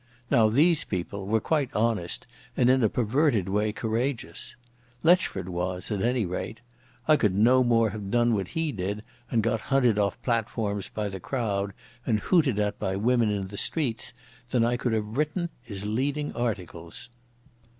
Now these people were quite honest and in a perverted way courageous. Letchford was, at any rate. I could no more have done what he did and got hunted off platforms by the crowd and hooted at by women in the streets than I could have written his leading articles.